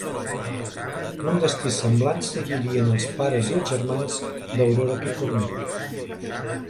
Un destí semblant seguirien els pares i els germans d'Aurora Picornell.